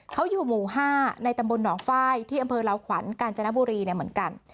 เขาอยู่หมู่๕ในตำบลหนองไฟล์ที่อำเภอลาวขวัญกาญจนบุรีเหมือนกัน